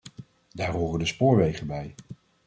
Daar horen de spoorwegen bij.